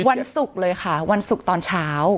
วันศุกร์เลยค่ะวันศุกร์ตอนเช้า